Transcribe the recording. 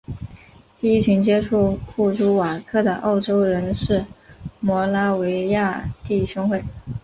第一群接触库朱瓦克的欧洲人是摩拉维亚弟兄会。